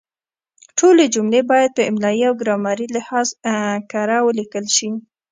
ټولې جملې باید په املایي او ګرامري لحاظ کره ولیکل شي.